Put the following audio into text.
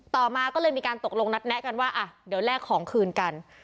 ต่อมาก็เลยมีการตกลงนัดแนะกันว่าอ่ะเดี๋ยวแลกของคืนกัน